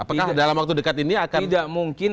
apakah dalam waktu dekat ini akan mungkin